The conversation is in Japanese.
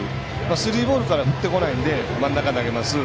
スリーボールから振ってこないので真ん中投げます。